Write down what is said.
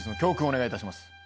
お願いいたします。